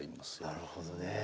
なるほどね。